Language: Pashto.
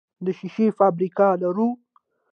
د شیشې فابریکه لرو؟